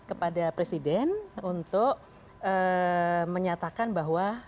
kepada presiden untuk menyatakan bahwa